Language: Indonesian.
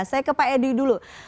saya ke pak edi dulu